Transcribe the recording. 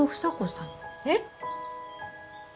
えっ！？